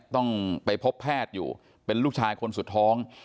ต้องไปพบแพทย์อยู่เป็นลูกชายคนสุดท้อง